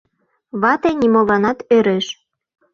Вате нимоланат ӧреш.